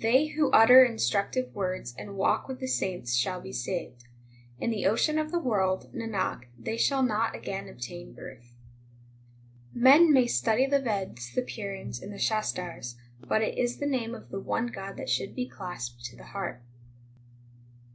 19 They who utter instructive words and walk with the saints shall be saved : In the ocean of the world, Nanak, they shall not again obtain birth. 20 Men may study the Veds, the Purans, and the Shastars, But it is the name of the one God that should be clasped to the heart.